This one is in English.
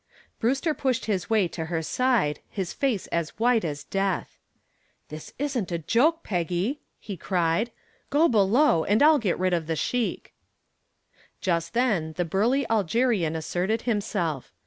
Brewster pushed his way to her side, his face as white as death. "This isn't a joke, Peggy," he cried. "Go below and I'll get rid of the sheik." Just then the burly Algerian asserted himself.